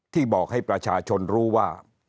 ที่บอกให้ประชาชนรู้ว่า